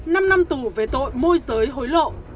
năm năm tù về tội môi giới hối lộ